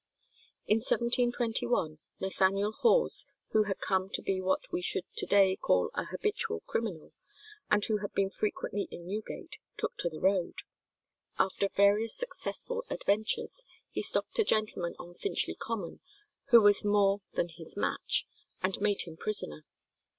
In 1721, Nathaniel Hawes, who had come to be what we should to day call an habitual criminal, and who had been frequently in Newgate, took to the road. After various successful adventures, he stopped a gentleman on Finchley Common, who was more than his match and made him prisoner.